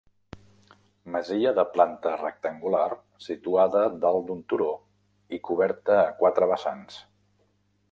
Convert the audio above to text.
Masia de planta rectangular situada dalt d'un turó i coberta a quatre vessants.